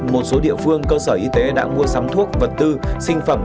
một số địa phương cơ sở y tế đã mua sắm thuốc vật tư sinh phẩm